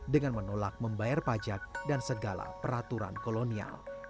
dengan menolak membayar pajak dan segala peraturan kolonial